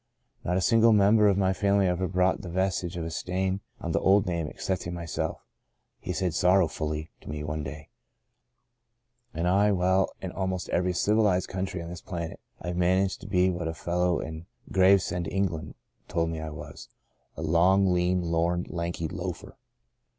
Not a single member of my family ever brought the vestige of a stain on the old name excepting myself," he said sorrowfully to me one day, "and I — well, in almost every civilized country on this planet I've managed to be what a fellow in Gravesend, England, told me I was — a long, lean, lorn, lanky loafer.